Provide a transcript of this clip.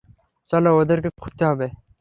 চলো, ওদেরকে খুঁজতে হবে।